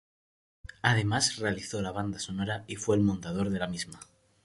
Además realizó la Banda Sonora y fue el montador de la misma.